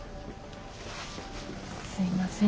すいません。